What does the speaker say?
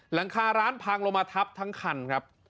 หลังคาร้านพังลงมาทับทั้งคันครับ